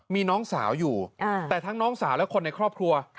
มีน้องสาวอยู่แต่ทั้งน้องสาวและคนในครอบครัว